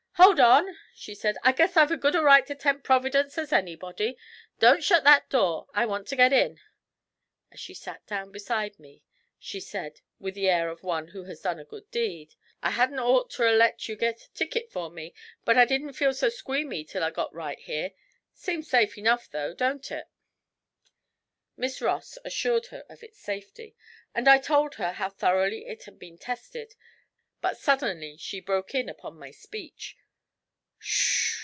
'Hold on!' she said. 'I guess I've as good a right to tempt Providence as anybody! Don't shet that door! I want to git in.' As she sat down beside me she said, with the air of one who has done a good deed, 'I hadn't orter 'a' let you git a ticket for me, but I didn't feel so squeamy till I got right here. Seems safe enough though, don't it?' Miss Ross assured her of its safety, and I told her how thoroughly it had been tested, but suddenly she broke in upon my speech: 'S h!